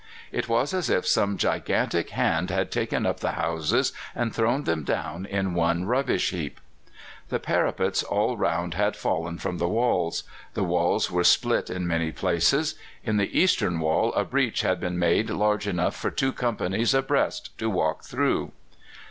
It was as if some gigantic hand had taken up the houses and thrown them down in one rubbish heap. The parapets all round had fallen from the walls. The walls were split in many places. In the eastern wall a breach had been made large enough for two companies abreast to walk through.